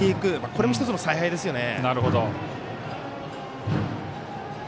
これも１つの采配ですよね。